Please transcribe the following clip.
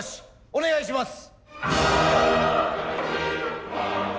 お願いします。